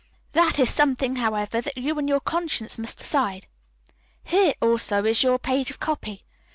That is something, however, that you and your conscience must decide. Here also is your page of copy.